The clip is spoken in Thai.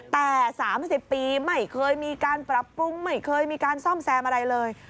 แต่๓๐ปีไม่เคยมีการปรับปรุงไม่เคยมีการซ่อมแซมอะไรเลย